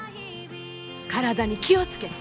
体に気を付けて。